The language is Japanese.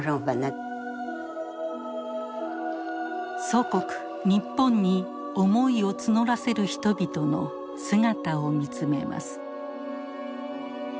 祖国日本に思いを募らせる人々の姿を見つめます。